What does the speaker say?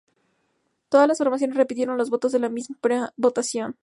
Todas las formaciones repitieron los votos de la primera votación.